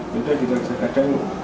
jadi kita bisa kadang